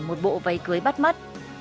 một bộ váy cưới bắt mắt